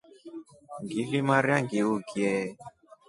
Ngilimarya ngiukye.